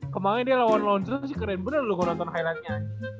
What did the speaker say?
kemangnya dia lawan launcher sih keren bener lu kalo nonton highlightnya